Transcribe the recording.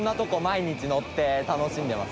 毎日乗って楽しんでますね。